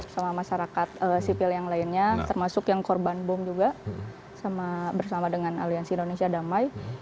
sama masyarakat sipil yang lainnya termasuk yang korban bom juga bersama dengan aliansi indonesia damai